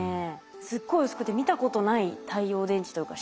すっごい薄くて見たことない太陽電池というか。